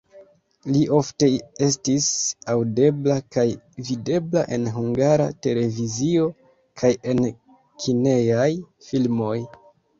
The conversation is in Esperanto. Li ofte estis aŭdebla kaj videbla en Hungara Televizio kaj en kinejaj filmoj.